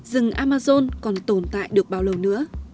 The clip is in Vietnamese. rừng amazon còn tồn tồn